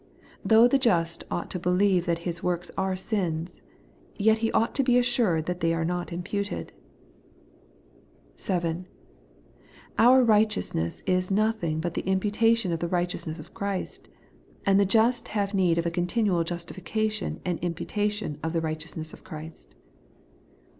Though the just ought to believe that his works are sins, yet he ought to be assured that they are not imputed. 7. Our righteousness is nothing but the imputa tion of the righteousness of Christ ; and the just have need of a continual justification and imputa tion of the righteousness of Christ.